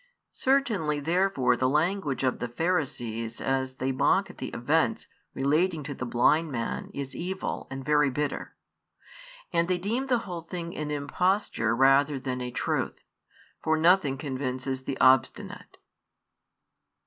Certainly therefore the language of the Pharisees as they mock at the events relating to the blind man is evil and very bitter, and they deem the whole thing an imposture rather than a truth; for nothing convinces the obstinate.